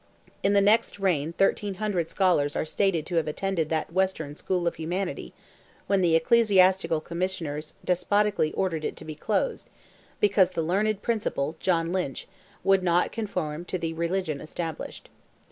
In the next reign 1,300 scholars are stated to have attended that western "school of humanity," when the Ecclesiastical Commissioners despotically ordered it to be closed, because the learned Principal, John Lynch, "would not confirm to the religion established."